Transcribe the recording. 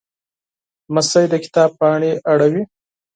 لمسی د کتاب پاڼې اړوي.